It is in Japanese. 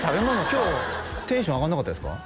今日テンション上がらなかったですか？